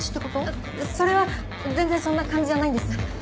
あっそれは全然そんな感じじゃないんです。